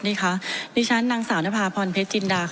นี่ฉันนางสาวนักภาพรพรพภิษจินดา